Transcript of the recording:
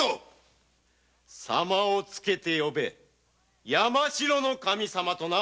様をつけて呼べ山城守様とな。